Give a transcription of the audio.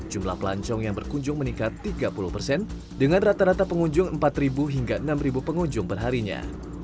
jumlah pelancong yang berkunjung meningkat tiga puluh persen dengan rata rata pengunjung empat hingga enam pengunjung perharinya